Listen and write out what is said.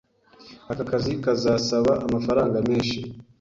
Aka kazi kazasaba amafaranga menshi.